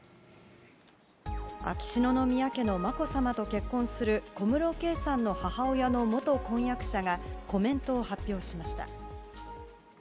秋篠宮家のまこさまと結婚する小室圭さんの母親の元婚約者がコメントを発表しました。